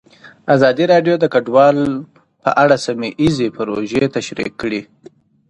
ازادي راډیو د کډوال په اړه سیمه ییزې پروژې تشریح کړې.